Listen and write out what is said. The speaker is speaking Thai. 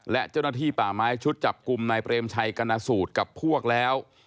และเจ้าหน้าที่ป่าไม้ชุดจับกลุ่มนายเปรมชัยกรณสูตรกับพวกแล้ว